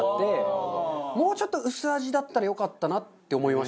もうちょっと薄味だったらよかったなって思いましたね。